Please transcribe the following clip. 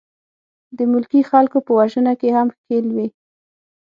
د ملکي خلکو په وژنه کې هم ښکېل وې.